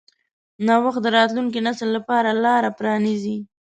نوښت د راتلونکي نسل لپاره لاره پرانیځي.